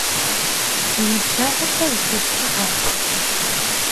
Си ныбжьэгъур сэ зэтесӀыгъэрт.